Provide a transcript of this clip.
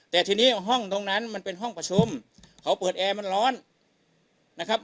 แต่ทีนี้ห้องตรงนั้นมันเป็นห้องประชุมเขาเปิดแอร์มันร้อนนะครับ